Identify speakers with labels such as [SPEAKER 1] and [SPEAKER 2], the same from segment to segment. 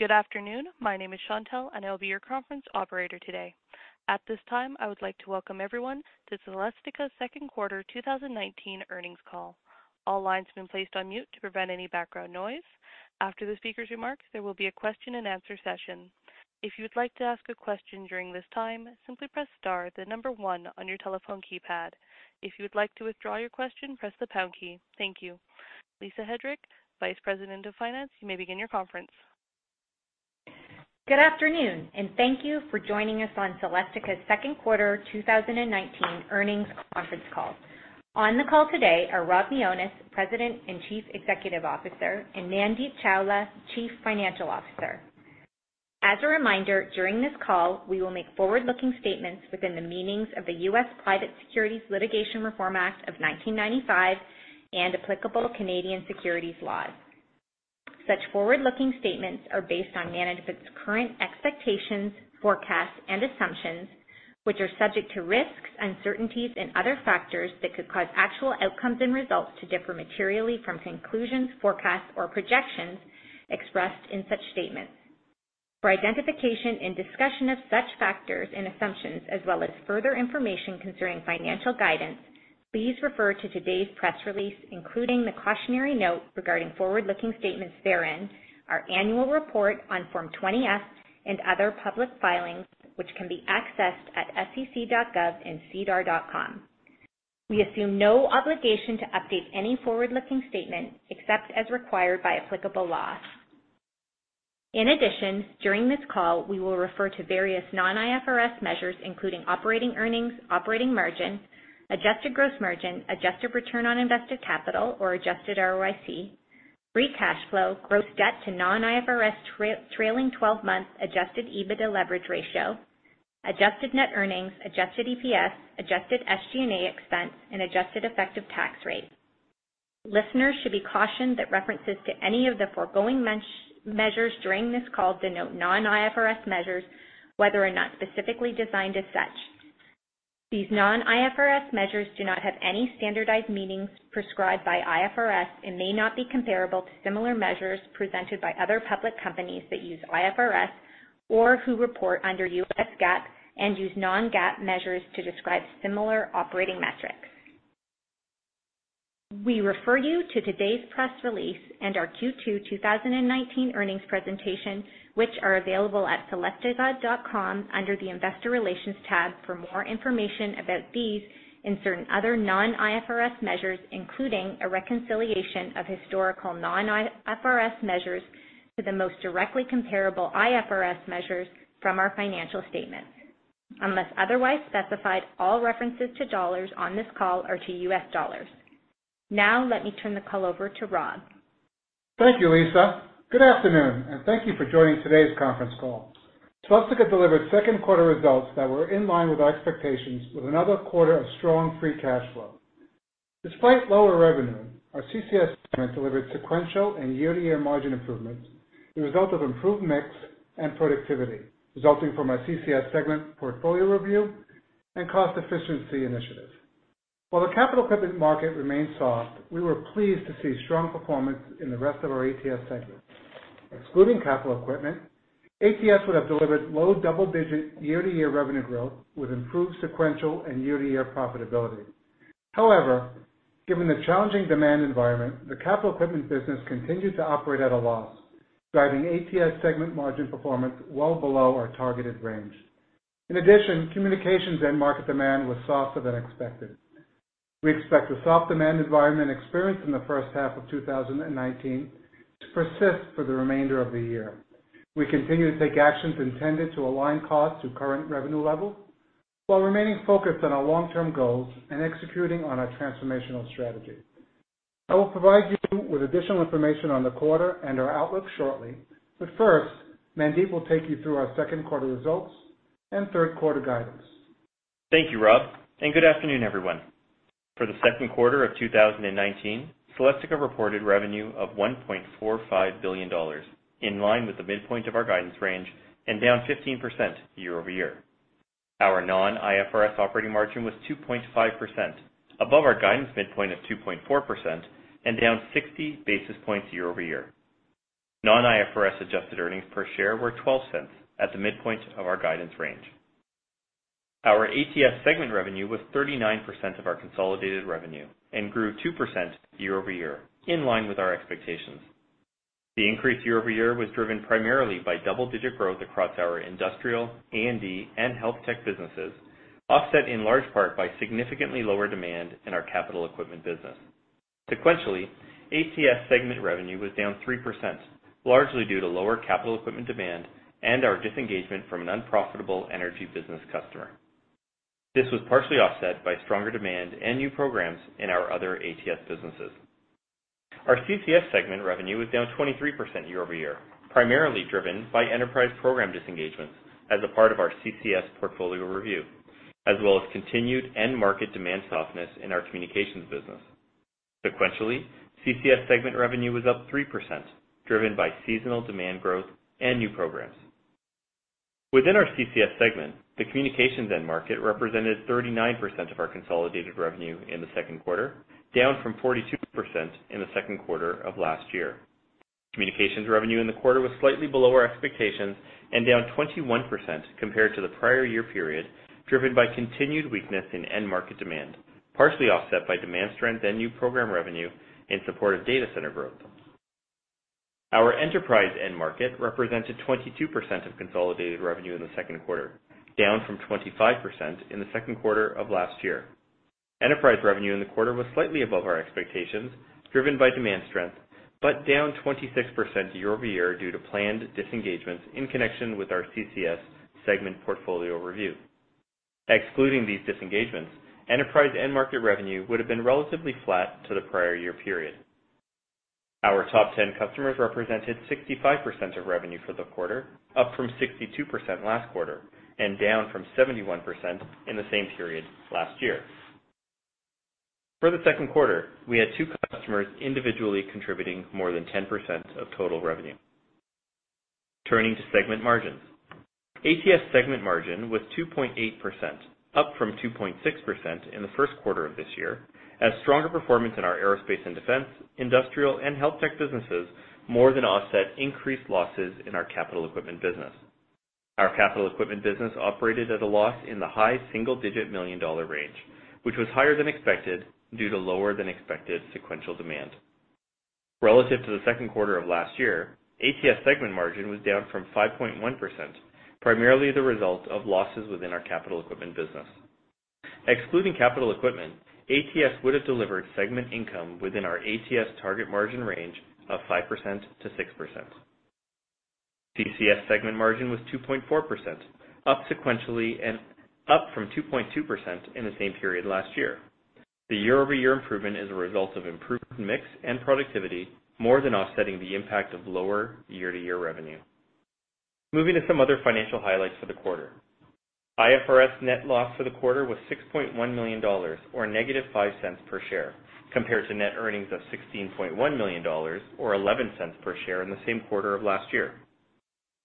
[SPEAKER 1] Good afternoon. My name is Chantelle, and I'll be your conference operator today. At this time, I would like to welcome everyone to Celestica's second quarter 2019 earnings call. All lines have been placed on mute to prevent any background noise. After the speaker's remarks, there will be a question and answer session. If you would like to ask a question during this time, simply press star, the number 1 on your telephone keypad. If you would like to withdraw your question, press the pound key. Thank you. Lisa Headrick, Vice President of Finance, you may begin your conference.
[SPEAKER 2] Good afternoon and thank you for joining us on Celestica's second quarter 2019 earnings conference call. On the call today are Rob Mionis, President and Chief Executive Officer, and Mandeep Chawla, Chief Financial Officer. As a reminder, during this call, we will make forward-looking statements within the meanings of the U.S. Private Securities Litigation Reform Act of 1995 and applicable Canadian securities laws. Such forward-looking statements are based on management's current expectations, forecasts, and assumptions, which are subject to risks, uncertainties and other factors that could cause actual outcomes and results to differ materially from conclusions, forecasts, or projections expressed in such statements. For identification and discussion of such factors and assumptions, as well as further information concerning financial guidance, please refer to today's press release, including the cautionary note regarding forward-looking statements therein, our annual report on Form 20-F, and other public filings which can be accessed at sec.gov and sedar.com. We assume no obligation to update any forward-looking statement, except as required by applicable law. In addition, during this call, we will refer to various non-IFRS measures, including operating earnings, operating margin, adjusted gross margin, adjusted return on invested capital or adjusted ROIC, free cash flow, gross debt to non-IFRS trailing 12-month adjusted EBITDA leverage ratio, adjusted net earnings, adjusted EPS, adjusted SG&A expense, and adjusted effective tax rate. Listeners should be cautioned that references to any of the foregoing measures during this call denote non-IFRS measures, whether or not specifically designed as such. These non-IFRS measures do not have any standardized meanings prescribed by IFRS and may not be comparable to similar measures presented by other public companies that use IFRS or who report under US GAAP and use non-GAAP measures to describe similar operating metrics. We refer you to today's press release and our Q2 2019 earnings presentation, which are available at celestica.com under the investor relations tab for more information about these and certain other non-IFRS measures, including a reconciliation of historical non-IFRS measures to the most directly comparable IFRS measures from our financial statements. Unless otherwise specified, all references to dollars on this call are to US dollars. Now, let me turn the call over to Rob.
[SPEAKER 3] Thank you, Lisa. Good afternoon. Thank you for joining today's conference call. Celestica delivered second quarter results that were in line with our expectations with another quarter of strong free cash flow. Despite lower revenue, our CCS segment delivered sequential and year-to-year margin improvements, the result of improved mix and productivity resulting from our CCS segment portfolio review and cost efficiency initiatives. While the capital equipment market remains soft, we were pleased to see strong performance in the rest of our ATS segment. Excluding capital equipment, ATS would have delivered low double-digit year-to-year revenue growth with improved sequential and year-to-year profitability. However, given the challenging demand environment, the capital equipment business continued to operate at a loss, driving ATS segment margin performance well below our targeted range. In addition, communications end market demand was softer than expected. We expect the soft demand environment experienced in the first half of 2019 to persist for the remainder of the year. We continue to take actions intended to align costs to current revenue levels while remaining focused on our long-term goals and executing on our transformational strategy. I will provide you with additional information on the quarter and our outlook shortly, but first, Mandeep will take you through our second quarter results and third quarter guidance.
[SPEAKER 4] Thank you, Rob. Good afternoon, everyone. For the second quarter of 2019, Celestica reported revenue of $1.45 billion, in line with the midpoint of our guidance range and down 15% year-over-year. Our non-IFRS operating margin was 2.5%, above our guidance midpoint of 2.4% and down 60 basis points year-over-year. Non-IFRS adjusted earnings per share were $0.12 at the midpoint of our guidance range. Our ATS segment revenue was 39% of our consolidated revenue and grew 2% year-over-year, in line with our expectations. The increase year-over-year was driven primarily by double-digit growth across our industrial, A&D, and health tech businesses, offset in large part by significantly lower demand in our capital equipment business. Sequentially, ATS segment revenue was down 3%, largely due to lower capital equipment demand and our disengagement from an unprofitable energy business customer. This was partially offset by stronger demand and new programs in our other ATS businesses. Our CCS segment revenue was down 23% year-over-year, primarily driven by enterprise program disengagement as a part of our CCS portfolio review, as well as continued end market demand softness in our communications business. Sequentially, CCS segment revenue was up 3%, driven by seasonal demand growth and new programs. Within our CCS segment, the communications end market represented 39% of our consolidated revenue in the second quarter, down from 42% in the second quarter of last year. Communications revenue in the quarter was slightly below our expectations and down 21% compared to the prior year period, driven by continued weakness in end market demand, partially offset by demand strength in new program revenue in support of data center growth. Our enterprise end market represented 22% of consolidated revenue in the second quarter, down from 25% in the second quarter of last year. Enterprise revenue in the quarter was slightly above our expectations, driven by demand strength, but down 26% year-over-year due to planned disengagements in connection with our CCS segment portfolio review. Excluding these disengagements, enterprise end market revenue would have been relatively flat to the prior year period. Our top 10 customers represented 65% of revenue for the quarter, up from 62% last quarter, and down from 71% in the same period last year. For the second quarter, we had two customers individually contributing more than 10% of total revenue. Turning to segment margins. ATS segment margin was 2.8%, up from 2.6% in the first quarter of this year, as stronger performance in our Aerospace and Defense, Industrial and Health Tech businesses more than offset increased losses in our Capital Equipment business. Our Capital Equipment business operated at a loss in the high single-digit million dollar range, which was higher than expected due to lower than expected sequential demand. Relative to the second quarter of last year, ATS segment margin was down from 5.1%, primarily the result of losses within our Capital Equipment business. Excluding Capital Equipment, ATS would have delivered segment income within our ATS target margin range of 5%-6%. CCS segment margin was 2.4%, up from 2.2% in the same period last year. The year-over-year improvement is a result of improved mix and productivity more than offsetting the impact of lower year-to-year revenue. Moving to some other financial highlights for the quarter. IFRS net loss for the quarter was $6.1 million, or negative $0.05 per share, compared to net earnings of $16.1 million or $0.11 per share in the same quarter of last year.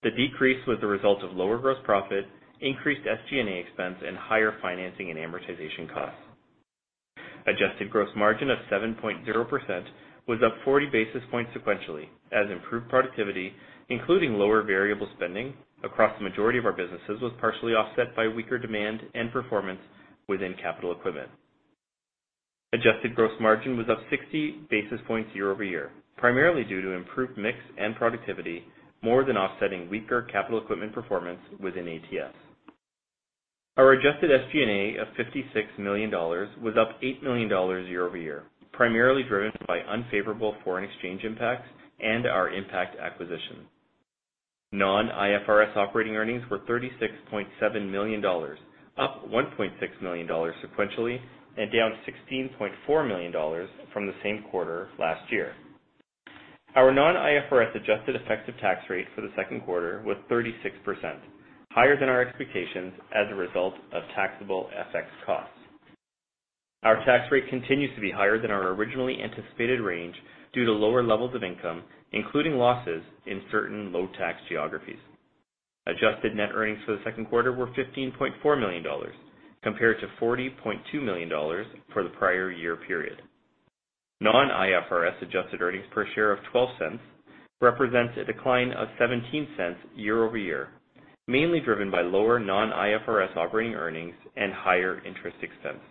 [SPEAKER 4] The decrease was the result of lower gross profit, increased SG&A expense, and higher financing and amortization costs. Adjusted gross margin of 7.0% was up 40 basis points sequentially as improved productivity, including lower variable spending across the majority of our businesses, was partially offset by weaker demand and performance within capital equipment. Adjusted gross margin was up 60 basis points year-over-year, primarily due to improved mix and productivity, more than offsetting weaker capital equipment performance within ATS. Our adjusted SG&A of $56 million was up $8 million year-over-year, primarily driven by unfavorable foreign exchange impacts and our Impakt acquisition. Non-IFRS operating earnings were $36.7 million, up $1.6 million sequentially, and down $16.4 million from the same quarter last year. Our non-IFRS adjusted effective tax rate for the second quarter was 36%, higher than our expectations as a result of taxable FX costs. Our tax rate continues to be higher than our originally anticipated range due to lower levels of income, including losses in certain low-tax geographies. Adjusted net earnings for the second quarter were $15.4 million, compared to $40.2 million for the prior year period. Non-IFRS adjusted earnings per share of $0.12 represents a decline of $0.17 year-over-year, mainly driven by lower non-IFRS operating earnings and higher interest expense.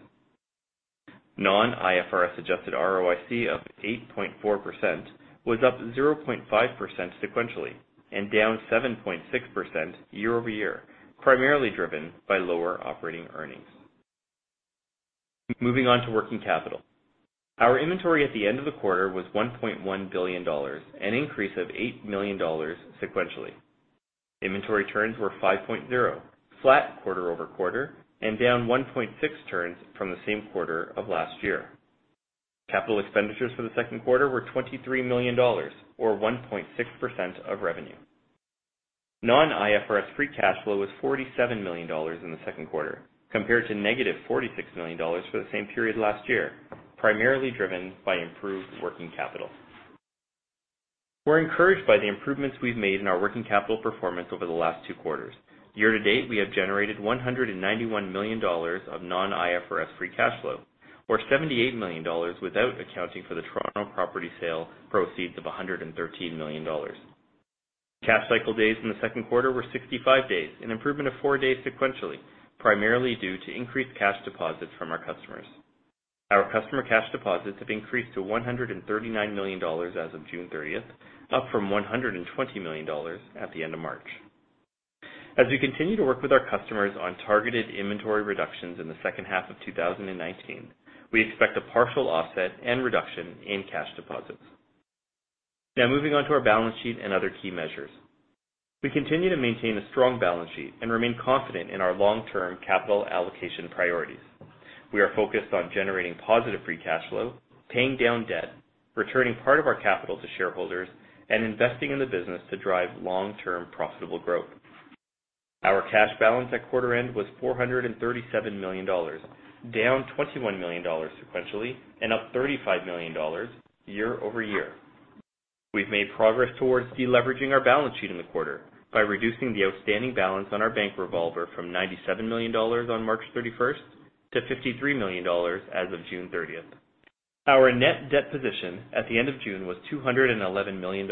[SPEAKER 4] Non-IFRS adjusted ROIC of 8.4% was up 0.5% sequentially and down 7.6% year-over-year, primarily driven by lower operating earnings. Moving on to working capital. Our inventory at the end of the quarter was $1.1 billion, an increase of $8 million sequentially. Inventory turns were 5.0, flat quarter-over-quarter, and down 1.6 turns from the same quarter of last year. Capital expenditures for the second quarter were $23 million, or 1.6% of revenue. Non-IFRS free cash flow was $47 million in the second quarter, compared to negative $46 million for the same period last year, primarily driven by improved working capital. We're encouraged by the improvements we've made in our working capital performance over the last two quarters. Year to date, we have generated $191 million of non-IFRS free cash flow, or $78 million without accounting for the Toronto property sale proceeds of $113 million. Cash cycle days in the second quarter were 65 days, an improvement of four days sequentially, primarily due to increased cash deposits from our customers. Our customer cash deposits have increased to $139 million as of June 30th, up from $120 million at the end of March. As we continue to work with our customers on targeted inventory reductions in the second half of 2019, we expect a partial offset and reduction in cash deposits. Now moving on to our balance sheet and other key measures. We continue to maintain a strong balance sheet and remain confident in our long-term capital allocation priorities. We are focused on generating positive free cash flow, paying down debt, returning part of our capital to shareholders, and investing in the business to drive long-term profitable growth. Our cash balance at quarter end was $437 million, down $21 million sequentially and up $35 million year-over-year. We've made progress towards de-leveraging our balance sheet in the quarter by reducing the outstanding balance on our bank revolver from $97 million on March 31st to $53 million as of June 30th. Our net debt position at the end of June was $211 million,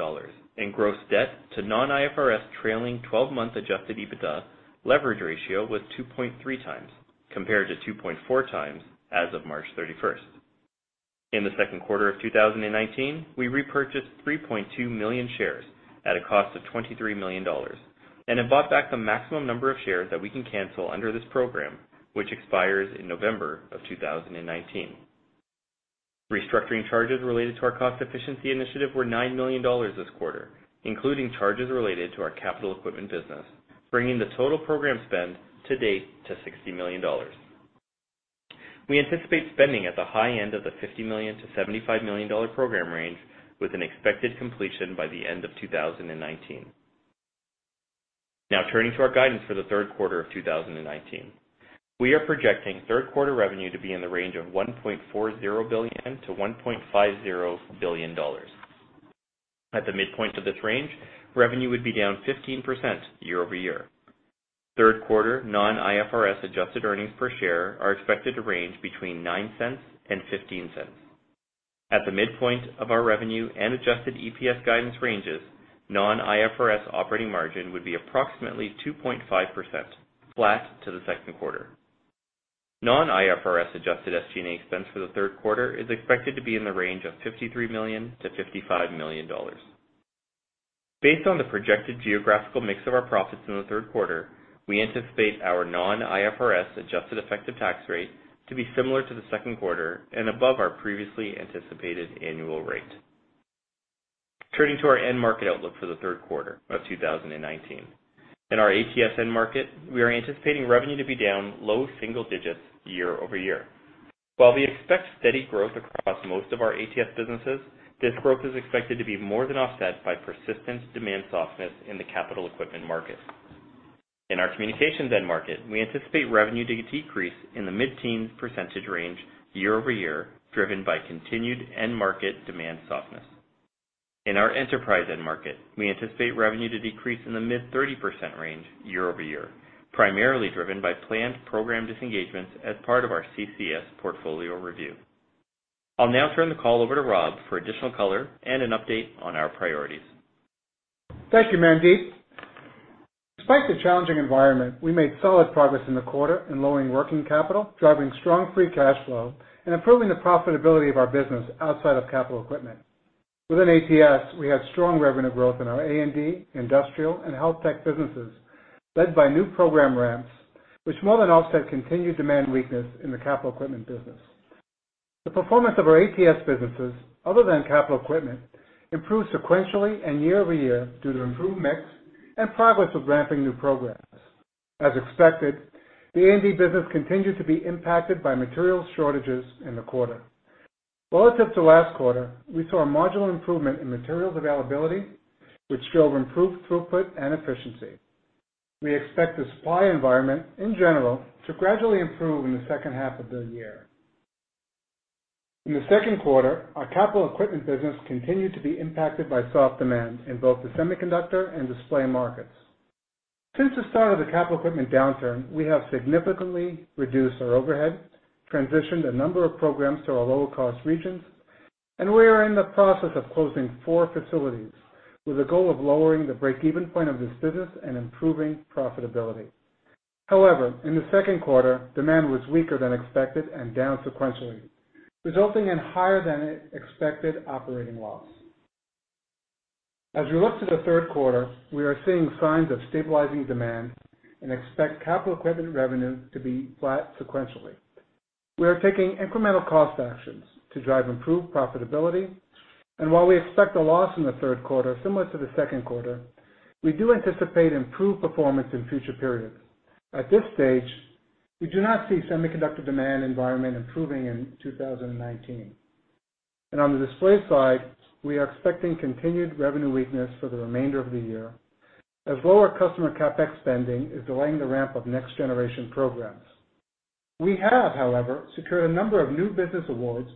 [SPEAKER 4] and gross debt to non-IFRS trailing 12-month adjusted EBITDA leverage ratio was 2.3 times, compared to 2.4 times as of March 31st. In the second quarter of 2019, we repurchased 3.2 million shares at a cost of $23 million and have bought back the maximum number of shares that we can cancel under this program, which expires in November of 2019. Restructuring charges related to our cost efficiency initiative were $9 million this quarter, including charges related to our capital equipment business, bringing the total program spend to date to $60 million. We anticipate spending at the high end of the $50 million-$75 million program range with an expected completion by the end of 2019. Turning to our guidance for the third quarter of 2019. We are projecting third quarter revenue to be in the range of $1.40 billion-$1.50 billion. At the midpoint of this range, revenue would be down 15% year-over-year. Third quarter non-IFRS adjusted earnings per share are expected to range between $0.09 and $0.15. At the midpoint of our revenue and adjusted EPS guidance ranges, non-IFRS operating margin would be approximately 2.5%, flat to the second quarter. Non-IFRS adjusted SG&A expense for the 3rd quarter is expected to be in the range of $53 million-$55 million. Based on the projected geographical mix of our profits in the 3rd quarter, we anticipate our Non-IFRS adjusted effective tax rate to be similar to the 2nd quarter and above our previously anticipated annual rate. Turning to our end market outlook for the 3rd quarter of 2019. In our ATS end market, we are anticipating revenue to be down low single digits year-over-year. While we expect steady growth across most of our ATS businesses, this growth is expected to be more than offset by persistent demand softness in the capital equipment market. In our communications end market, we anticipate revenue to decrease in the mid-teen percentage range year-over-year, driven by continued end market demand softness. In our enterprise end market, we anticipate revenue to decrease in the mid-30% range year-over-year, primarily driven by planned program disengagements as part of our CCS portfolio review. I'll now turn the call over to Rob for additional color and an update on our priorities.
[SPEAKER 3] Thank you, Mandeep. Despite the challenging environment, we made solid progress in the quarter in lowering working capital, driving strong free cash flow, and improving the profitability of our business outside of capital equipment. Within ATS, we had strong revenue growth in our A&D, industrial, and health tech businesses, led by new program ramps, which more than offset continued demand weakness in the capital equipment business. The performance of our ATS businesses, other than capital equipment, improved sequentially and year-over-year due to improved mix and progress with ramping new programs. As expected, the A&D business continued to be impacted by material shortages in the quarter. Relative to last quarter, we saw a marginal improvement in materials availability, which drove improved throughput and efficiency. We expect the supply environment, in general, to gradually improve in the second half of the year. In the second quarter, our capital equipment business continued to be impacted by soft demand in both the semiconductor and display markets. Since the start of the capital equipment downturn, we have significantly reduced our overhead, transitioned a number of programs to our lower cost regions, and we are in the process of closing four facilities with a goal of lowering the break-even point of this business and improving profitability. In the second quarter, demand was weaker than expected and down sequentially, resulting in higher than expected operating loss. As we look to the third quarter, we are seeing signs of stabilizing demand and expect capital equipment revenue to be flat sequentially. We are taking incremental cost actions to drive improved profitability, and while we expect a loss in the third quarter similar to the second quarter, we do anticipate improved performance in future periods. At this stage, we do not see semiconductor demand environment improving in 2019. On the display side, we are expecting continued revenue weakness for the remainder of the year as lower customer CapEx spending is delaying the ramp of next-generation programs. We have, however, secured a number of new business awards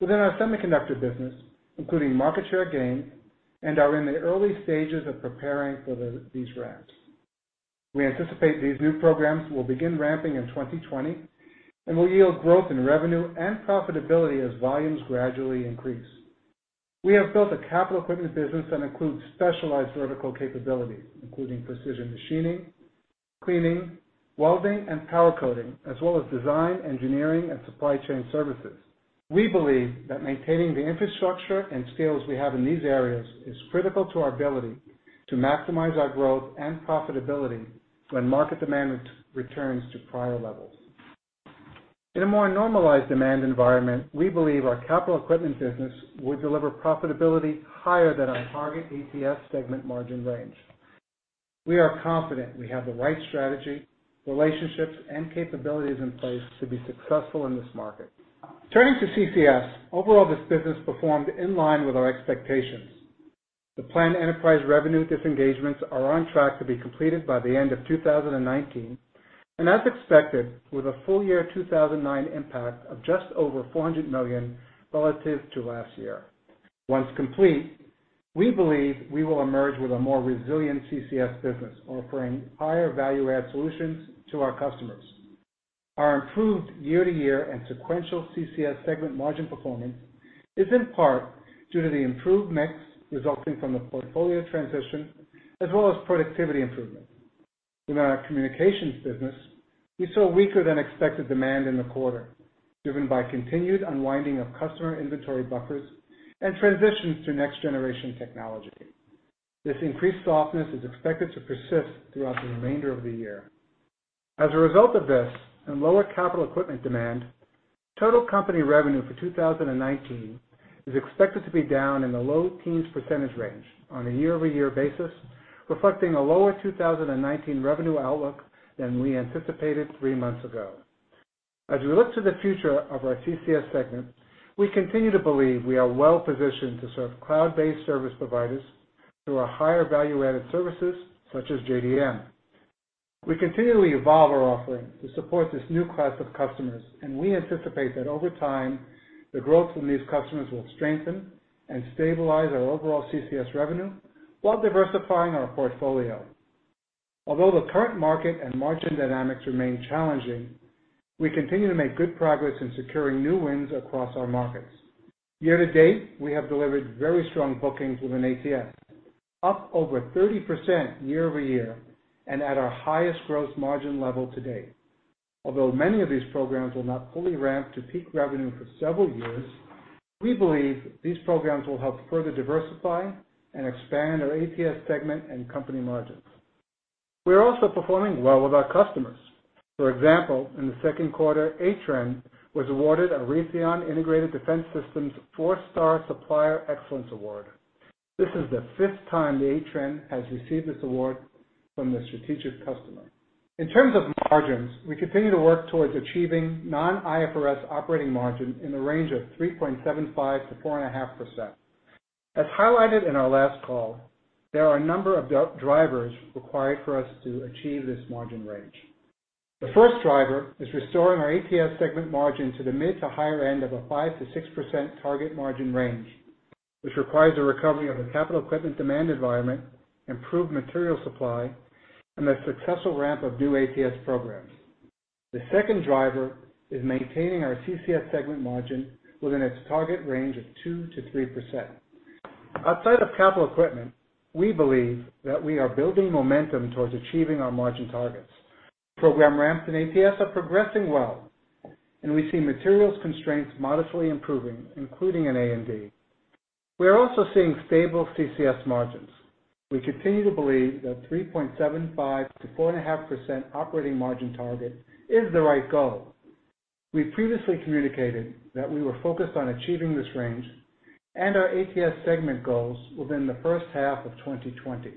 [SPEAKER 3] within our semiconductor business, including market share gain, and are in the early stages of preparing for these ramps. We anticipate these new programs will begin ramping in 2020 and will yield growth in revenue and profitability as volumes gradually increase. We have built a capital equipment business that includes specialized vertical capabilities, including precision machining, cleaning, welding, and powder coating, as well as design, engineering, and supply chain services. We believe that maintaining the infrastructure and skills we have in these areas is critical to our ability to maximize our growth and profitability when market demand returns to prior levels. In a more normalized demand environment, we believe our capital equipment business will deliver profitability higher than our target ATS segment margin range. We are confident we have the right strategy, relationships, and capabilities in place to be successful in this market. Turning to CCS. Overall, this business performed in line with our expectations. The planned enterprise revenue disengagements are on track to be completed by the end of 2019. As expected, with a full year 2019 impact of just over $400 million relative to last year. Once complete, we believe we will emerge with a more resilient CCS business, offering higher value-add solutions to our customers. Our improved year-to-year and sequential CCS segment margin performance is in part due to the improved mix resulting from the portfolio transition, as well as productivity improvements. In our communications business, we saw weaker than expected demand in the quarter, driven by continued unwinding of customer inventory buffers and transitions to next generation technology. This increased softness is expected to persist throughout the remainder of the year. As a result of this, and lower capital equipment demand, total company revenue for 2019 is expected to be down in the low teens percentage range on a year-over-year basis, reflecting a lower 2019 revenue outlook than we anticipated three months ago. As we look to the future of our CCS segment, we continue to believe we are well-positioned to serve cloud-based service providers through our higher value-added services such as JDM. We continually evolve our offering to support this new class of customers, we anticipate that over time, the growth from these customers will strengthen and stabilize our overall CCS revenue while diversifying our portfolio. Although the current market and margin dynamics remain challenging, we continue to make good progress in securing new wins across our markets. Year-to-date, we have delivered very strong bookings within ATS, up over 30% year-over-year and at our highest gross margin level to date. Although many of these programs will not fully ramp to peak revenue for several years, we believe these programs will help further diversify and expand our ATS segment and company margins. We are also performing well with our customers. For example, in the second quarter, Atrenne was awarded a Raytheon Integrated Defense Systems four-star supplier excellence award. This is the fifth time that Atrenne has received this award from this strategic customer. In terms of margins, we continue to work towards achieving non-IFRS operating margin in the range of 3.75%-4.5%. As highlighted in our last call, there are a number of drivers required for us to achieve this margin range. The first driver is restoring our ATS segment margin to the mid to higher end of a 5%-6% target margin range, which requires a recovery of the capital equipment demand environment, improved material supply, and the successful ramp of new ATS programs. The second driver is maintaining our CCS segment margin within its target range of 2%-3%. Outside of capital equipment, we believe that we are building momentum towards achieving our margin targets. Program ramps in ATS are progressing well, and we see materials constraints modestly improving, including in A&D. We are also seeing stable CCS margins. We continue to believe that 3.75%-4.5% operating margin target is the right goal. We previously communicated that we were focused on achieving this range and our ATS segment goals within the first half of 2020.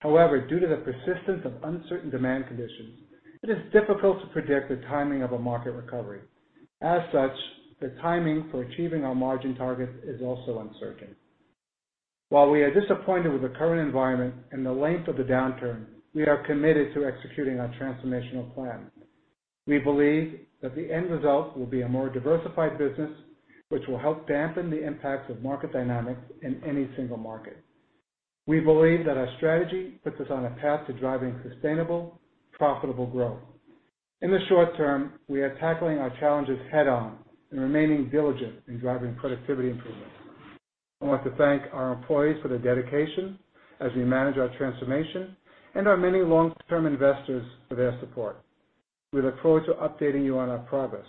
[SPEAKER 3] However, due to the persistence of uncertain demand conditions, it is difficult to predict the timing of a market recovery. As such, the timing for achieving our margin targets is also uncertain. While we are disappointed with the current environment and the length of the downturn, we are committed to executing our transformational plan. We believe that the end result will be a more diversified business, which will help dampen the impacts of market dynamics in any single market. We believe that our strategy puts us on a path to driving sustainable, profitable growth. In the short term, we are tackling our challenges head-on and remaining diligent in driving productivity improvements. I want to thank our employees for their dedication as we manage our transformation and our many long-term investors for their support. We look forward to updating you on our progress.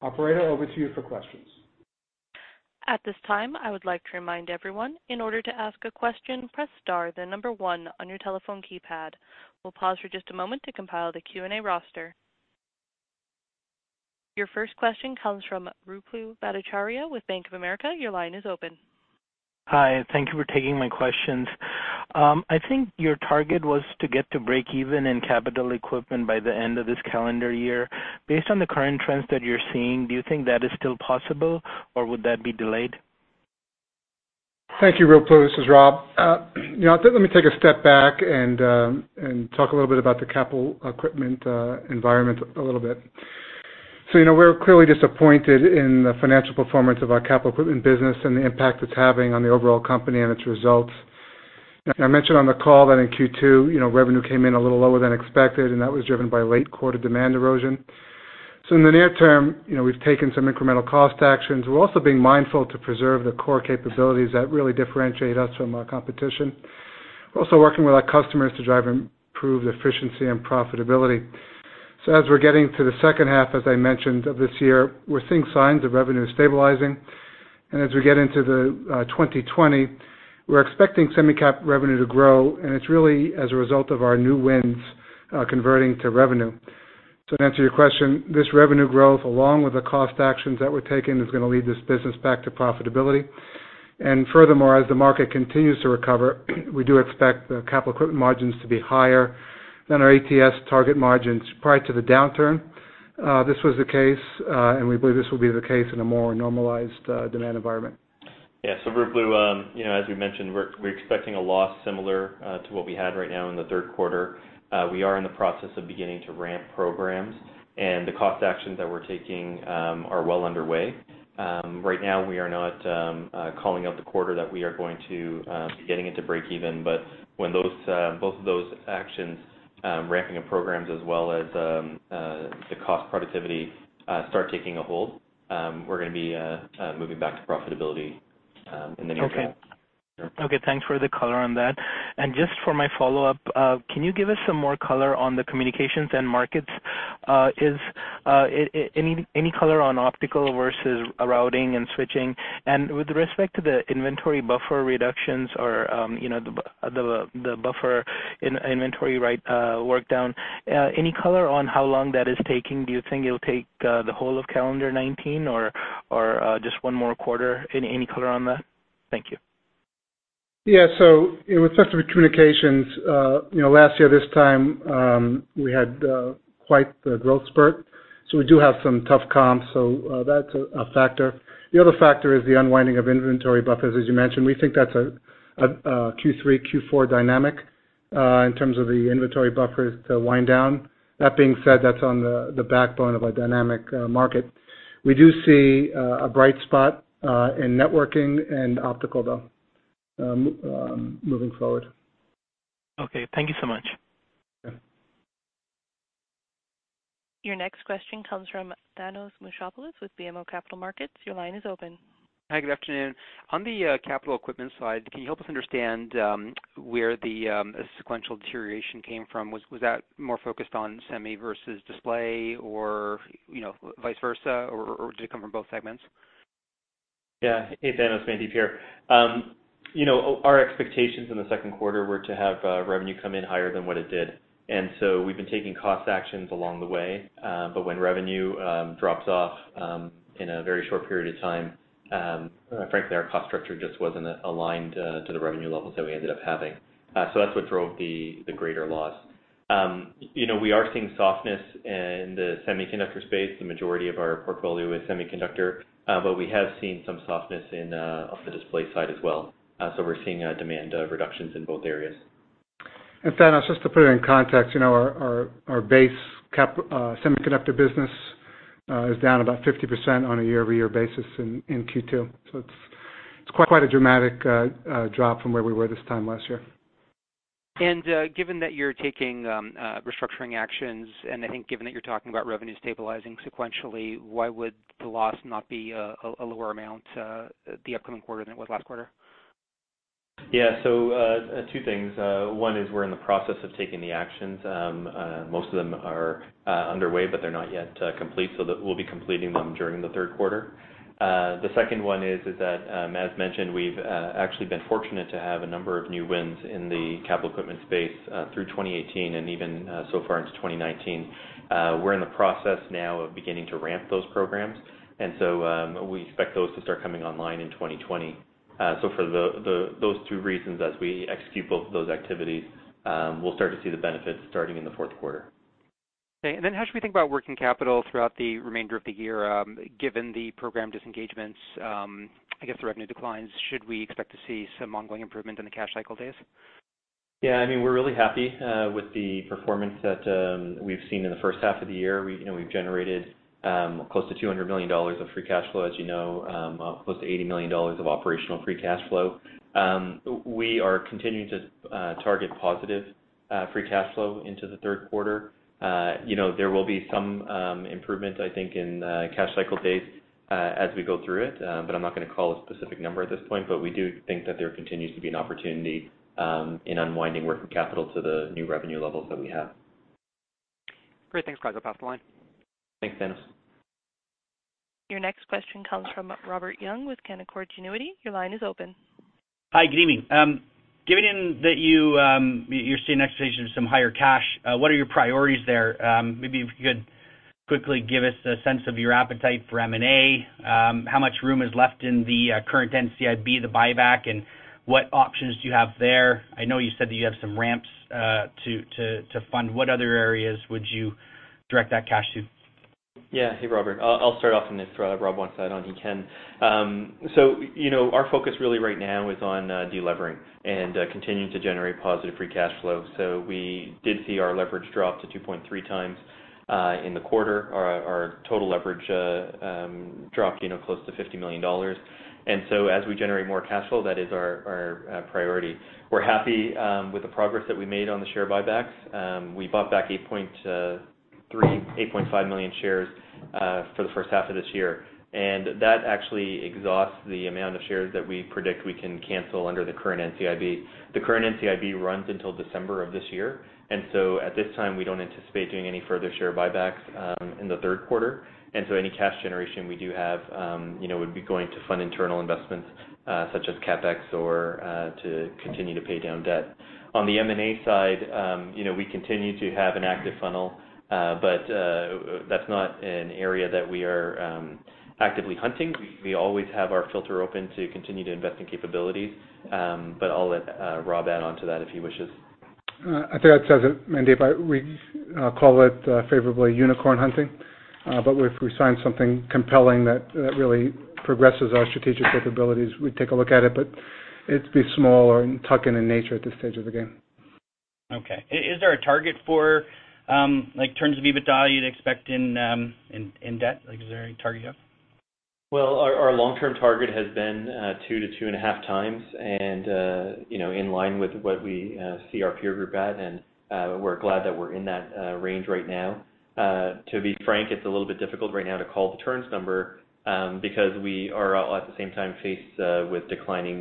[SPEAKER 3] Operator, over to you for questions.
[SPEAKER 1] At this time, I would like to remind everyone, in order to ask a question, press star then 1 on your telephone keypad. We will pause for just a moment to compile the Q&A roster. Your first question comes from Ruplu Bhattacharya with Bank of America. Your line is open.
[SPEAKER 5] Hi, thank you for taking my questions. I think your target was to get to break even in capital equipment by the end of this calendar year. Based on the current trends that you're seeing, do you think that is still possible, or would that be delayed?
[SPEAKER 3] Thank you, Ruplu. This is Rob. Let me take a step back and talk a little bit about the capital equipment environment a little bit. We're clearly disappointed in the financial performance of our capital equipment business and the impact it's having on the overall company and its results. I mentioned on the call that in Q2, revenue came in a little lower than expected, and that was driven by late quarter demand erosion. In the near term, we've taken some incremental cost actions. We're also being mindful to preserve the core capabilities that really differentiate us from our competition. We're also working with our customers to drive improved efficiency and profitability. As we're getting to the second half, as I mentioned, of this year, we're seeing signs of revenue stabilizing. As we get into 2020, we're expecting semi-cap revenue to grow, and it's really as a result of our new wins converting to revenue. To answer your question, this revenue growth, along with the cost actions that we're taking, is going to lead this business back to profitability. Furthermore, as the market continues to recover, we do expect the capital equipment margins to be higher than our ATS target margins prior to the downturn. This was the case, and we believe this will be the case in a more normalized demand environment.
[SPEAKER 4] Yeah. Ruplu, as we mentioned, we're expecting a loss similar to what we had right now in the third quarter. We are in the process of beginning to ramp programs, and the cost actions that we're taking are well underway. Right now, we are not calling out the quarter that we are going to be getting it to breakeven, but when both of those actions, ramping up programs as well as the cost productivity, start taking a hold, we're going to be moving back to profitability in the near term.
[SPEAKER 5] Just for my follow-up, can you give us some more color on the communications end markets? Any color on optical versus routing and switching? With respect to the inventory buffer reductions or the buffer inventory work down, any color on how long that is taking? Do you think it'll take the whole of calendar 2019 or just one more quarter? Any color on that? Thank you.
[SPEAKER 3] Yeah. With respect to the communications, last year this time, we had quite the growth spurt, so we do have some tough comps. That's a factor. The other factor is the unwinding of inventory buffers, as you mentioned. We think that's a Q3, Q4 dynamic in terms of the inventory buffers to wind down. That being said, that's on the backbone of a dynamic market. We do see a bright spot in networking and optical, though, moving forward.
[SPEAKER 5] Okay. Thank you so much.
[SPEAKER 3] Yeah.
[SPEAKER 1] Your next question comes from Thanos Moschopoulos with BMO Capital Markets. Your line is open.
[SPEAKER 6] Hi, good afternoon. On the capital equipment side, can you help us understand where the sequential deterioration came from? Was that more focused on semi versus display or vice versa, or did it come from both segments?
[SPEAKER 4] Hey, Thanos. Mandeep here. Our expectations in the second quarter were to have revenue come in higher than what it did, we've been taking cost actions along the way. When revenue drops off in a very short period of time, frankly, our cost structure just wasn't aligned to the revenue levels that we ended up having. That's what drove the greater loss. We are seeing softness in the semiconductor space. The majority of our portfolio is semiconductor, we have seen some softness off the display side as well. We're seeing demand reductions in both areas.
[SPEAKER 3] Thanos, just to put it in context, our base semiconductor business is down about 50% on a year-over-year basis in Q2. It's quite a dramatic drop from where we were this time last year.
[SPEAKER 6] Given that you're taking restructuring actions, and I think given that you're talking about revenue stabilizing sequentially, why would the loss not be a lower amount the upcoming quarter than it was last quarter?
[SPEAKER 4] Yeah. Two things. One is we're in the process of taking the actions. Most of them are underway, but they're not yet complete, so we'll be completing them during the third quarter. The second one is that, as mentioned, we've actually been fortunate to have a number of new wins in the capital equipment space through 2018 and even so far into 2019. We're in the process now of beginning to ramp those programs, and so we expect those to start coming online in 2020. For those two reasons, as we execute both of those activities, we'll start to see the benefits starting in the fourth quarter.
[SPEAKER 6] Okay. How should we think about working capital throughout the remainder of the year, given the program disengagements, I guess the revenue declines? Should we expect to see some ongoing improvement in the cash cycle days?
[SPEAKER 4] Yeah. I mean, we're really happy with the performance that we've seen in the first half of the year. We've generated close to $200 million of free cash flow, as you know, close to $80 million of operational free cash flow. We are continuing to target positive free cash flow into the third quarter. There will be some improvement, I think, in cash cycle days as we go through it, but I'm not going to call a specific number at this point. We do think that there continues to be an opportunity in unwinding working capital to the new revenue levels that we have.
[SPEAKER 6] Great. Thanks, guys. I'll pass the line.
[SPEAKER 4] Thanks, Thanos.
[SPEAKER 1] Your next question comes from Robert Young with Canaccord Genuity. Your line is open.
[SPEAKER 7] Hi, good evening. Given that you're seeing expectations of some higher cash, what are your priorities there? Maybe if you could quickly give us a sense of your appetite for M&A. How much room is left in the current NCIB, the buyback, and what options do you have there? I know you said that you have some ramps to fund. What other areas would you direct that cash to?
[SPEAKER 4] Yeah. Hey, Robert. I'll start off on this, Rob. Once I don't, he can. Our focus really right now is on de-levering and continuing to generate positive free cash flow. We did see our leverage drop to 2.3 times in the quarter. Our total leverage dropped close to $50 million. As we generate more cash flow, that is our priority. We're happy with the progress that we made on the share buybacks. We bought back 8.5 million shares for the first half of this year, that actually exhausts the amount of shares that we predict we can cancel under the current NCIB. The current NCIB runs until December of this year, at this time, we don't anticipate doing any further share buybacks in the third quarter. Any cash generation we do have would be going to fund internal investments such as CapEx or to continue to pay down debt. On the M&A side, we continue to have an active funnel, but that's not an area that we are actively hunting. We always have our filter open to continue to invest in capabilities, but I'll let Rob add on to that if he wishes.
[SPEAKER 3] I think that says it, Mandeep. We call it favorably unicorn hunting, but if we sign something compelling that really progresses our strategic capabilities, we take a look at it, but it'd be small or tuck-in in nature at this stage of the game.
[SPEAKER 7] Okay. Is there a target for terms of EBITDA you'd expect in debt? Is there a target you have?
[SPEAKER 4] Well, our long-term target has been two to two and a half times in line with what we see our peer group at. We're glad that we're in that range right now. To be frank, it's a little bit difficult right now to call the turns number, because we are all at the same time faced with declining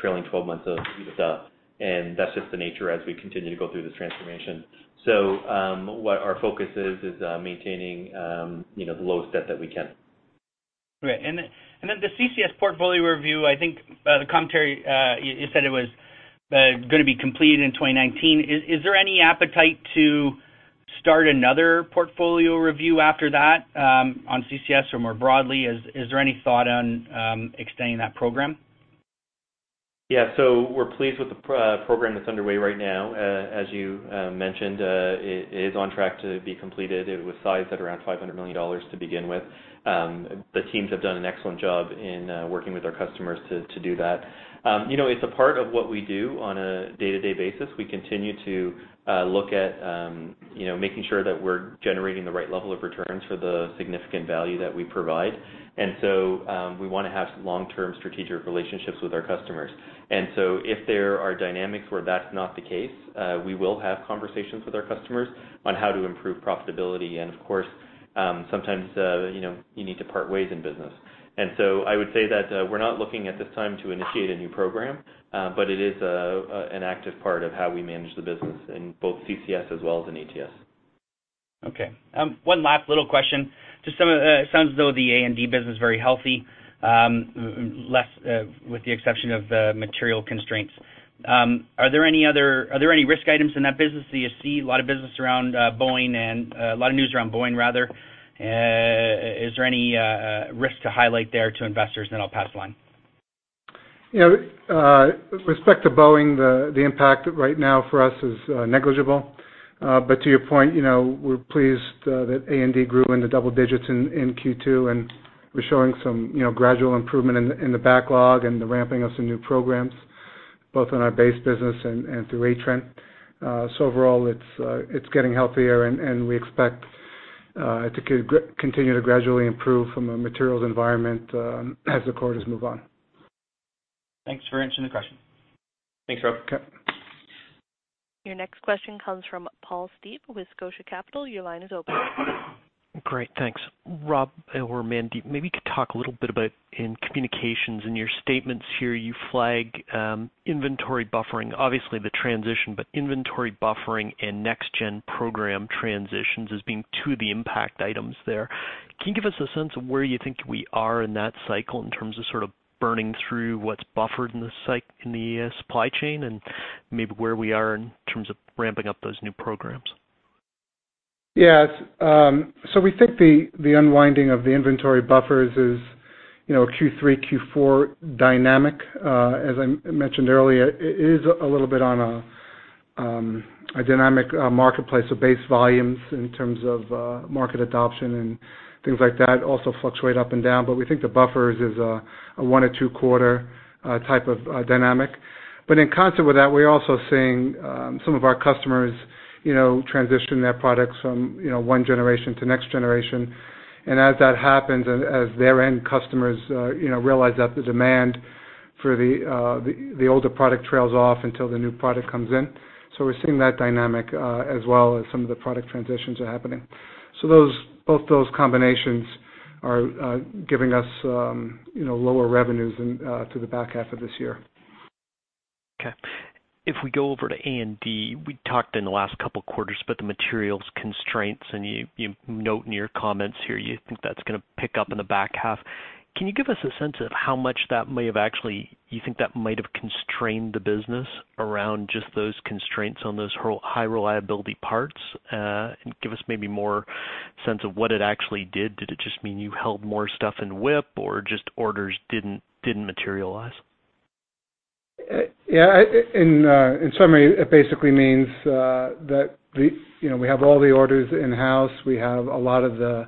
[SPEAKER 4] trailing 12 months of EBITDA. That's just the nature as we continue to go through this transformation. What our focus is maintaining the lowest debt that we can.
[SPEAKER 7] Great. The CCS portfolio review, I think the commentary, you said it was going to be completed in 2019. Is there any appetite to start another portfolio review after that on CCS or more broadly? Is there any thought on extending that program?
[SPEAKER 4] Yeah. We're pleased with the program that's underway right now. As you mentioned, it is on track to be completed. It was sized at around $500 million to begin with. The teams have done an excellent job in working with our customers to do that. It's a part of what we do on a day-to-day basis. We continue to look at making sure that we're generating the right level of returns for the significant value that we provide. We want to have long-term strategic relationships with our customers. If there are dynamics where that's not the case, we will have conversations with our customers on how to improve profitability. Of course, sometimes you need to part ways in business. I would say that we're not looking at this time to initiate a new program, but it is an active part of how we manage the business in both CCS as well as in ATS.
[SPEAKER 7] Okay. One last little question. It sounds as though the A&D business is very healthy, with the exception of the material constraints. Are there any risk items in that business that you see? A lot of business around Boeing and a lot of news around Boeing, rather. Is there any risk to highlight there to investors? I'll pass the line.
[SPEAKER 3] With respect to Boeing, the impact right now for us is negligible. To your point, we're pleased that A&D grew into double digits in Q2, and we're showing some gradual improvement in the backlog and the ramping of some new programs, both on our base business and through Atrenne. Overall, it's getting healthier, and we expect to continue to gradually improve from a materials environment as the quarters move on.
[SPEAKER 7] Thanks for answering the question.
[SPEAKER 4] Thanks, Rob.
[SPEAKER 3] Okay.
[SPEAKER 1] Your next question comes from Paul Steep with Scotia Capital. Your line is open.
[SPEAKER 8] Great. Thanks. Rob or Mandeep, maybe you could talk a little bit about in communications, in your statements here, you flag inventory buffering, obviously the transition, but inventory buffering and next-gen program transitions as being two of the impact items there. Can you give us a sense of where you think we are in that cycle in terms of sort of burning through what's buffered in the supply chain and maybe where we are in terms of ramping up those new programs?
[SPEAKER 3] Yeah. We think the unwinding of the inventory buffers is Q3, Q4 dynamic. As I mentioned earlier, it is a little bit on a dynamic marketplace of base volumes in terms of market adoption and things like that also fluctuate up and down. We think the buffers is a one or two quarter type of dynamic. In concert with that, we're also seeing some of our customers transition their products from one generation to next generation. As that happens, as their end customers realize that the demand for the older product trails off until the new product comes in. We're seeing that dynamic as well as some of the product transitions are happening. Both those combinations are giving us lower revenues to the back half of this year.
[SPEAKER 8] Okay. If we go over to A&D, we talked in the last couple quarters about the materials constraints, and you note in your comments here, you think that's going to pick up in the back half. Can you give us a sense of how much that may have actually, you think that might have constrained the business around just those constraints on those high reliability parts? Give us maybe more sense of what it actually did. Did it just mean you held more stuff in WIP or just orders didn't materialize?
[SPEAKER 3] In summary, it basically means that we have all the orders in-house. We have a lot of the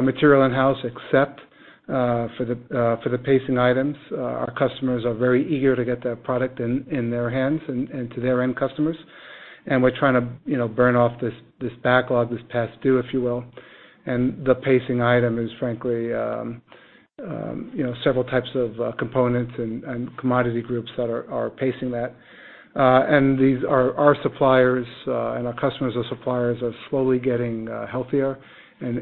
[SPEAKER 3] material in-house, except for the pacing items. Our customers are very eager to get that product in their hands and to their end customers, and we're trying to burn off this backlog, this past due, if you will. The pacing item is frankly several types of components and commodity groups that are pacing that. These are our suppliers, and our customers or suppliers are slowly getting healthier and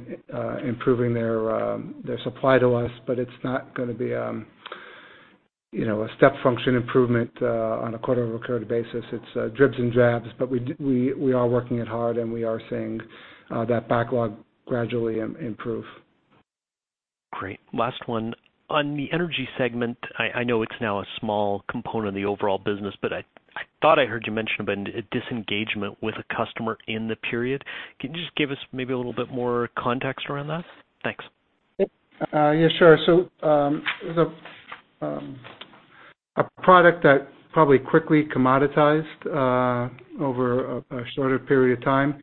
[SPEAKER 3] improving their supply to us, but it's not going to be a step function improvement on a quarter-over-quarter basis. It's dribs and drabs, but we are working it hard, and we are seeing that backlog gradually improve.
[SPEAKER 8] Great. Last one. On the energy segment, I know it's now a small component of the overall business, but I thought I heard you mention about a disengagement with a customer in the period. Can you just give us maybe a little bit more context around that? Thanks.
[SPEAKER 3] Yeah, sure. There's a product that probably quickly commoditized over a shorter period of time.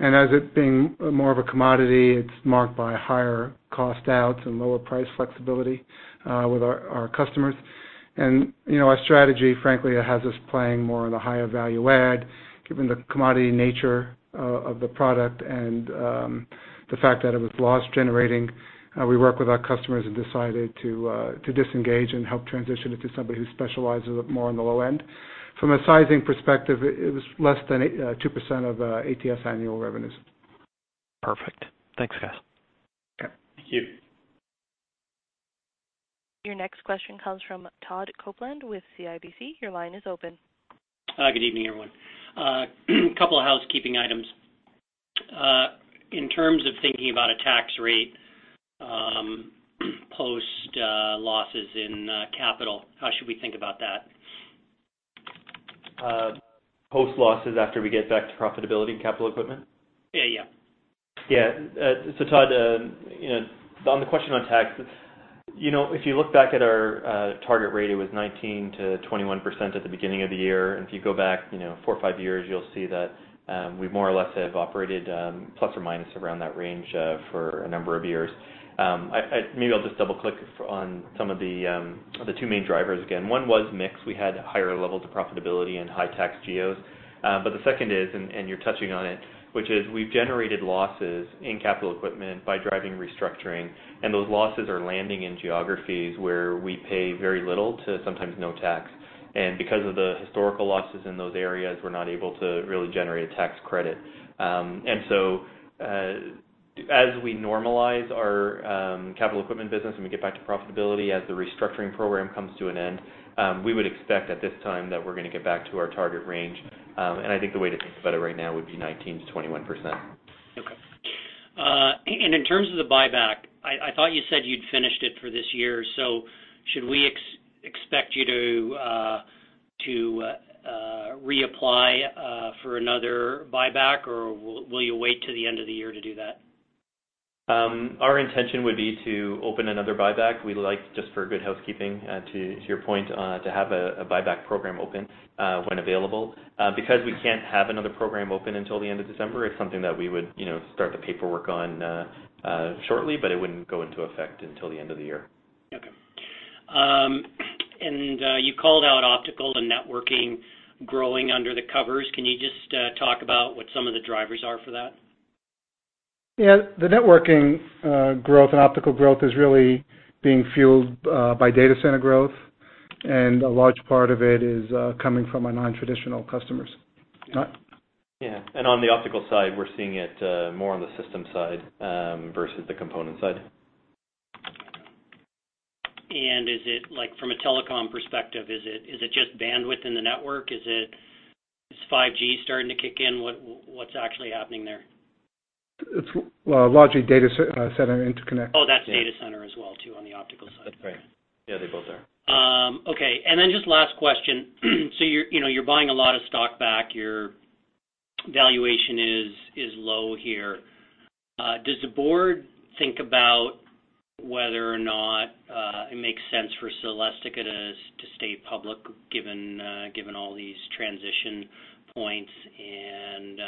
[SPEAKER 3] As it being more of a commodity, it's marked by higher cost outs and lower price flexibility with our customers. Our strategy, frankly, has us playing more in the higher value add, given the commodity nature of the product and the fact that it was loss generating. We work with our customers and decided to disengage and help transition it to somebody who specializes more on the low end. From a sizing perspective, it was less than 2% of ATS annual revenues.
[SPEAKER 8] Perfect. Thanks, guys.
[SPEAKER 3] Okay.
[SPEAKER 4] Thank you.
[SPEAKER 1] Your next question comes from Todd Coupland with CIBC. Your line is open.
[SPEAKER 9] Hi, good evening, everyone. A couple of housekeeping items. In terms of thinking about a tax rate post losses in capital, how should we think about that?
[SPEAKER 4] Post losses after we get back to profitability in capital equipment?
[SPEAKER 9] Yeah.
[SPEAKER 4] Yeah. Todd, on the question on taxes, if you look back at our target rate, it was 19%-21% at the beginning of the year. If you go back four or five years, you'll see that we more or less have operated plus or minus around that range for a number of years. Maybe I'll just double click on some of the two main drivers again. One was mix. We had higher levels of profitability and high tax geos. The second is, you're touching on it, which is we've generated losses in capital equipment by driving restructuring, and those losses are landing in geographies where we pay very little to sometimes no tax. Because of the historical losses in those areas, we're not able to really generate a tax credit. As we normalize our capital equipment business and we get back to profitability as the restructuring program comes to an end, we would expect at this time that we're going to get back to our target range. I think the way to think about it right now would be 19%-21%.
[SPEAKER 9] Okay. In terms of the buyback, I thought you said you'd finished it for this year. Should we expect you to reapply for another buyback, or will you wait to the end of the year to do that?
[SPEAKER 4] Our intention would be to open another buyback. We'd like, just for good housekeeping, to your point, to have a buyback program open when available. Because we can't have another program open until the end of December, it's something that we would start the paperwork on shortly, but it wouldn't go into effect until the end of the year.
[SPEAKER 9] Okay. You called out optical to networking growing under the covers. Can you just talk about what some of the drivers are for that?
[SPEAKER 3] Yeah. The networking growth and optical growth is really being fueled by data center growth, and a large part of it is coming from our non-traditional customers. Todd?
[SPEAKER 4] Yeah. On the optical side, we're seeing it more on the system side versus the component side.
[SPEAKER 9] From a telecom perspective, is it just bandwidth in the network? Is 5G starting to kick in? What's actually happening there?
[SPEAKER 3] It's largely data center interconnect.
[SPEAKER 9] That's data center as well too, on the optical side.
[SPEAKER 4] That's right. Yeah, they both are.
[SPEAKER 9] Okay. Then just last question. You're buying a lot of stock back, your valuation is low here. Does the board think about whether or not it makes sense for Celestica to stay public given all these transition points and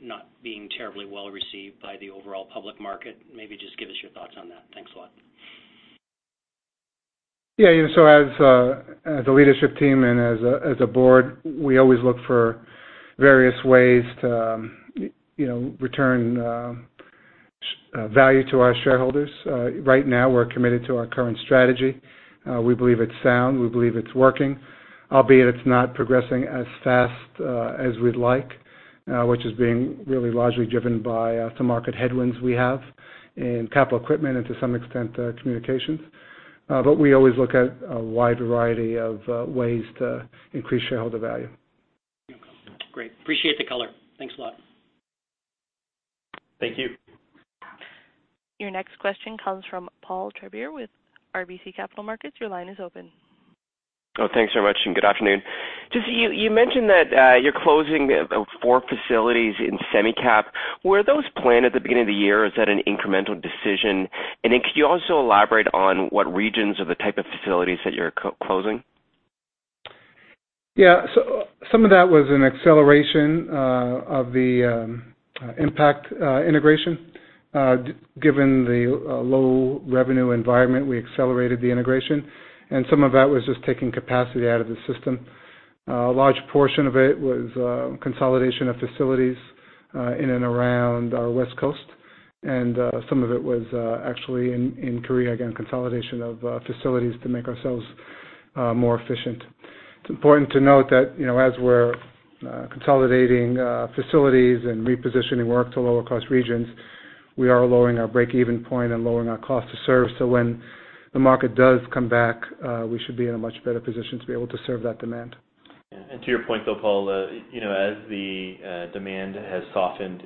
[SPEAKER 9] not being terribly well-received by the overall public market? Maybe just give us your thoughts on that. Thanks a lot.
[SPEAKER 3] Yeah. As the leadership team and as a board, we always look for various ways to return value to our shareholders. Right now, we're committed to our current strategy. We believe it's sound, we believe it's working, albeit it's not progressing as fast as we'd like, which is being really largely driven by some market headwinds we have in capital equipment and to some extent, communications. We always look at a wide variety of ways to increase shareholder value.
[SPEAKER 9] Okay, great. Appreciate the color. Thanks a lot.
[SPEAKER 4] Thank you.
[SPEAKER 1] Your next question comes from Paul Treiber with RBC Capital Markets. Your line is open.
[SPEAKER 10] Oh, thanks very much. Good afternoon. Just you mentioned that you're closing four facilities in semi-cap. Were those planned at the beginning of the year, or is that an incremental decision? Could you also elaborate on what regions of the type of facilities that you're closing?
[SPEAKER 3] Some of that was an acceleration of the Impakt integration. Given the low revenue environment, we accelerated the integration, and some of that was just taking capacity out of the system. A large portion of it was consolidation of facilities in and around our West Coast, and some of it was actually in Korea, again, consolidation of facilities to make ourselves more efficient. It's important to note that as we're consolidating facilities and repositioning work to lower cost regions, we are lowering our break-even point and lowering our cost to serve. When the market does come back, we should be in a much better position to be able to serve that demand.
[SPEAKER 4] To your point, though, Paul, as the demand has softened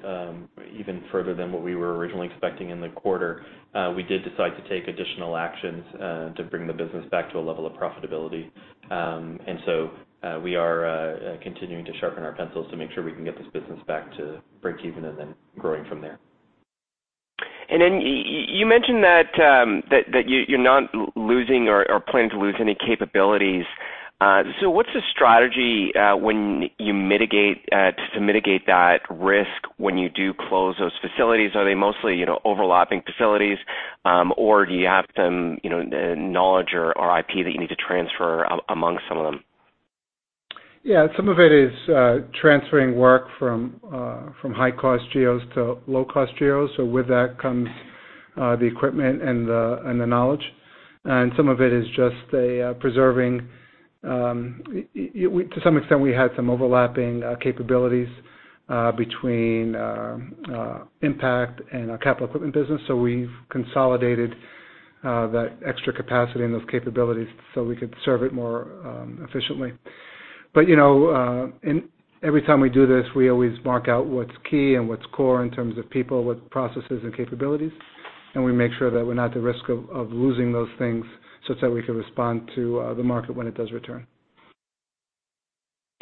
[SPEAKER 4] even further than what we were originally expecting in the quarter, we did decide to take additional actions to bring the business back to a level of profitability. We are continuing to sharpen our pencils to make sure we can get this business back to break even and then growing from there.
[SPEAKER 10] You mentioned that you're not losing or planning to lose any capabilities. What's the strategy to mitigate that risk when you do close those facilities? Are they mostly overlapping facilities, or do you have some knowledge or IP that you need to transfer among some of them?
[SPEAKER 3] Some of it is transferring work from high-cost geos to low-cost geos. With that comes the equipment and the knowledge, and some of it is just preserving. To some extent, we had some overlapping capabilities between Impakt and our capital equipment business, we've consolidated that extra capacity and those capabilities so we could serve it more efficiently. Every time we do this, we always mark out what's key and what's core in terms of people, what processes and capabilities, and we make sure that we're not at risk of losing those things such that we can respond to the market when it does return.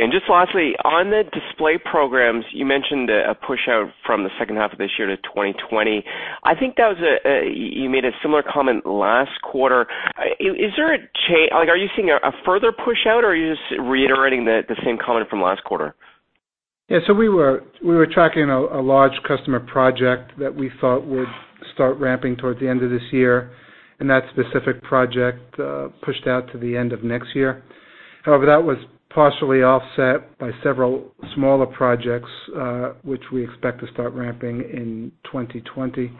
[SPEAKER 10] Just lastly, on the display programs, you mentioned a pushout from the second half of this year to 2020. I think you made a similar comment last quarter. Are you seeing a further pushout, or are you just reiterating the same comment from last quarter?
[SPEAKER 3] We were tracking a large customer project that we thought would start ramping toward the end of this year, and that specific project pushed out to the end of next year. However, that was partially offset by several smaller projects, which we expect to start ramping in 2020. In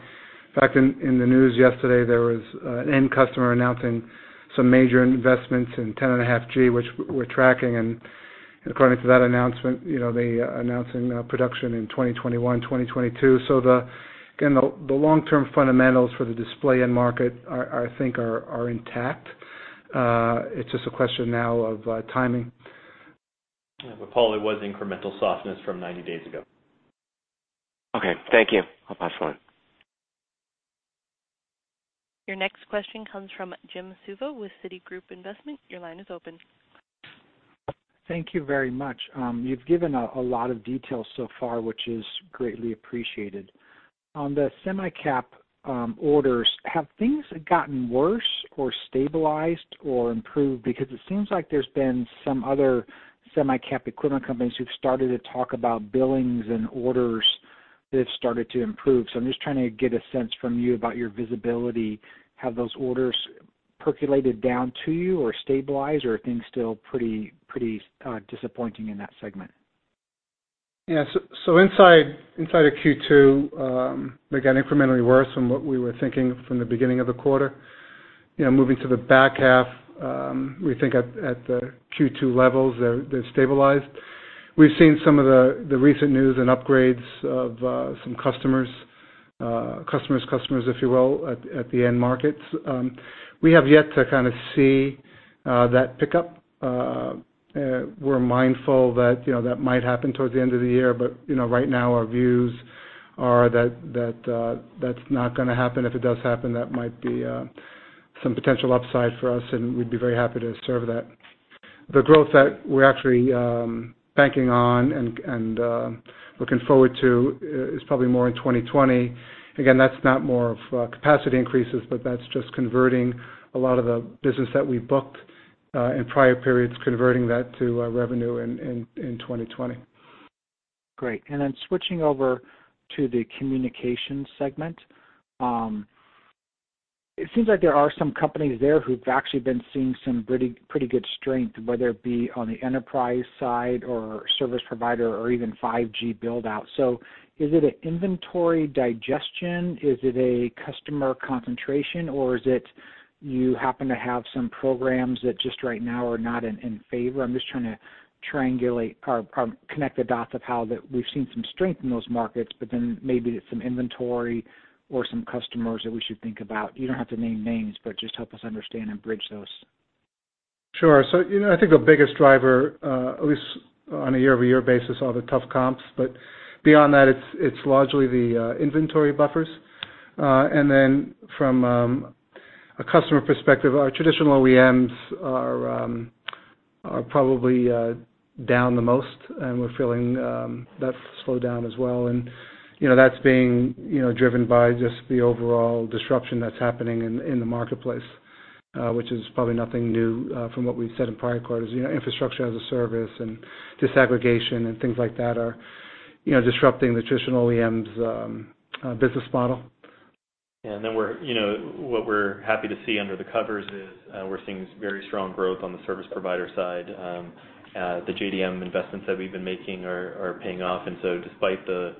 [SPEAKER 3] fact, in the news yesterday, there was an end customer announcing some major investments in 10.5G, which we're tracking, and according to that announcement, they're announcing production in 2021, 2022. Again, the long-term fundamentals for the display end market, I think, are intact. It's just a question now of timing.
[SPEAKER 4] Paul, it was incremental softness from 90 days ago.
[SPEAKER 10] Okay, thank you. I'll pass along.
[SPEAKER 1] Your next question comes from Jim Suva with Citigroup Investment. Your line is open.
[SPEAKER 11] Thank you very much. You've given a lot of details so far, which is greatly appreciated. On the semi-cap orders, have things gotten worse or stabilized or improved? It seems like there's been some other semi-cap equipment companies who've started to talk about billings and orders that have started to improve. I'm just trying to get a sense from you about your visibility. Have those orders percolated down to you or stabilized, or are things still pretty disappointing in that segment?
[SPEAKER 3] Inside of Q2, they got incrementally worse than what we were thinking from the beginning of the quarter. Moving to the back half, we think at the Q2 levels, they've stabilized. We've seen some of the recent news and upgrades of some customers, if you will, at the end markets. We have yet to kind of see that pickup. We're mindful that might happen towards the end of the year, but right now, our views are that that's not going to happen. If it does happen, that might be some potential upside for us, and we'd be very happy to serve that. The growth that we're actually banking on and looking forward to is probably more in 2020. Again, that's not more of capacity increases, but that's just converting a lot of the business that we booked in prior periods, converting that to revenue in 2020.
[SPEAKER 11] Great. Switching over to the Communications segment, it seems like there are some companies there who've actually been seeing some pretty good strength, whether it be on the enterprise side or service provider or even 5G build out. Is it an inventory digestion? Is it a customer concentration, or is it you happen to have some programs that just right now are not in favor? I'm just trying to connect the dots of how that we've seen some strength in those markets, maybe it's some inventory or some customers that we should think about. You don't have to name names, just help us understand and bridge those.
[SPEAKER 3] Sure. I think the biggest driver, at least on a year-over-year basis, are the tough comps. Beyond that, it's largely the inventory buffers. From a customer perspective, our traditional OEMs are probably down the most, and we're feeling that slow down as well. That's being driven by just the overall disruption that's happening in the marketplace, which is probably nothing new from what we've said in prior quarters. Infrastructure as a service and disaggregation and things like that are disrupting the traditional OEM's business model.
[SPEAKER 4] What we're happy to see under the covers is we're seeing very strong growth on the service provider side. The JDM investments that we've been making are paying off, despite the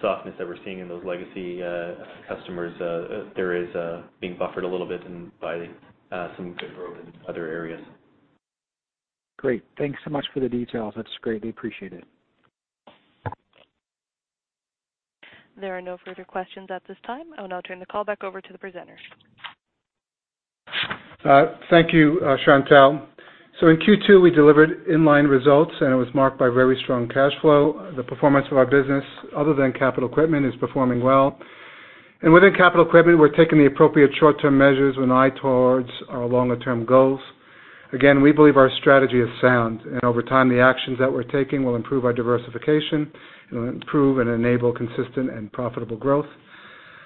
[SPEAKER 4] softness that we're seeing in those legacy customers, there is being buffered a little bit by some good growth in other areas.
[SPEAKER 11] Great. Thanks so much for the details. That's greatly appreciated.
[SPEAKER 1] There are no further questions at this time. I will now turn the call back over to the presenters.
[SPEAKER 3] Thank you, Chantelle. In Q2, we delivered in-line results, and it was marked by very strong cash flow. The performance of our business, other than capital equipment, is performing well. Within capital equipment, we're taking the appropriate short-term measures with an eye towards our longer-term goals. Again, we believe our strategy is sound, and over time, the actions that we're taking will improve our diversification. It will improve and enable consistent and profitable growth.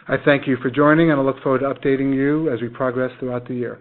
[SPEAKER 3] I thank you for joining, and I look forward to updating you as we progress throughout the year.